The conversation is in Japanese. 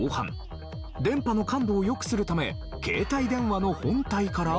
電波の感度を良くするため携帯電話の本体から。